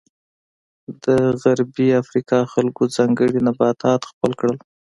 د غربي افریقا خلکو ځانګړي نباتات خپل کړل.